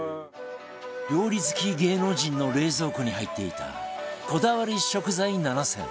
料理好き芸能人の冷蔵庫に入っていたこだわり食材７選